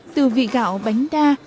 từ vị gạo bánh đa